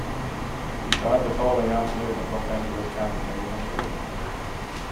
He died the following afternoon at Los Angeles County General Hospital.